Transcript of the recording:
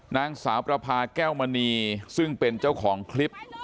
นางสาวประพาแก้วมณีซึ่งเป็นเจ้าของคลิป